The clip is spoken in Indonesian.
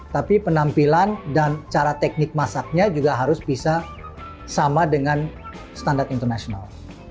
tapi penampilan dan cara teknik masaknya juga harus bisa sama dengan standar internasional